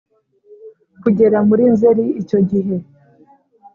kugera muri nzeri icyo gihe